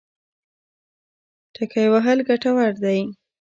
ټکی وهل ګټور دی.